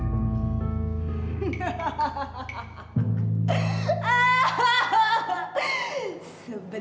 mereka masih hidup